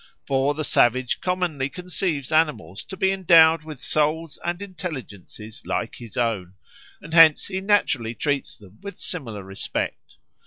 For the savage commonly conceives animals to be endowed with souls and intelligences like his own, and hence he naturally treats them with similar respect.